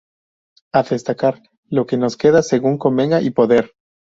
A destacar "Lo que nos queda, Según convenga y Poder".